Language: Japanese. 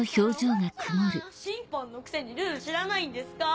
審判のくせにルール知らないんですか？